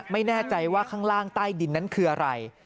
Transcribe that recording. ไม่แน่ใจว่าข้างล่างใต้ดินนั้นคืออะไร